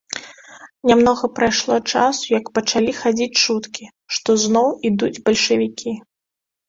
Нямнога прайшло часу, як пачалі хадзіць чуткі, што зноў ідуць бальшавікі.